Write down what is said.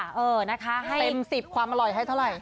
เต็ม๑๐ความอร่อยให้เท่าไหร่